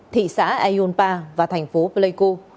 thị xã ayonpa và thành phố pleiku